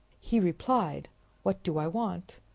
he replied: "What do I want?